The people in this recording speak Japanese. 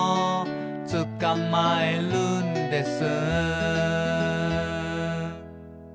「つかまえるんです」